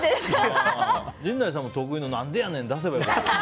陣内さんお得意のなんでやねん出せば良かったのに。